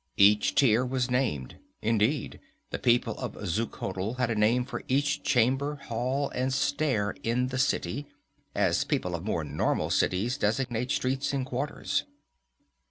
Each tier was named; indeed, the people of Xuchotl had a name for each chamber, hall and stair in the city, as people of more normal cities designate streets and quarters.